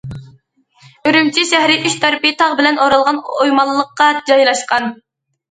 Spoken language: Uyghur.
ئۈرۈمچى شەھىرى ئۈچ تەرىپى تاغ بىلەن ئورالغان ئويمانلىققا جايلاشقان.